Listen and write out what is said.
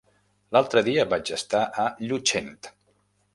L'altre dia vaig estar a Llutxent.